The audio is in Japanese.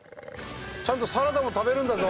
ちゃんとサラダも食べるんだぞ。